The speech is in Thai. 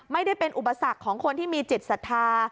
ไม่ได้เป็นอุปสรรคของคนที่มีจิตศรัทธา